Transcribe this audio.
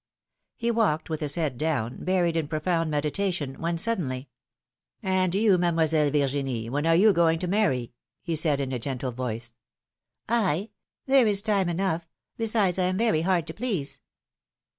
He walked with his head down, buried in pro found meditation, when suddenly : ^'And you. Mademoiselle Virginie, when are you going to marry ?" said he, in a gentle voice. I ? There is time enough. Besides, I am very hard to please